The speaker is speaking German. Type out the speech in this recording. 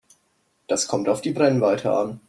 Das kommt auf die Brennweite an.